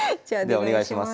お願いします。